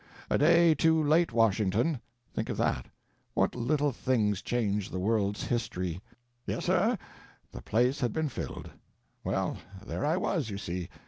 A day too late, Washington. Think of that—what little things change the world's history—yes, sir, the place had been filled. Well, there I was, you see.